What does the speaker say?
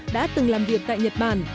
đã từng làm việc tại nhật bản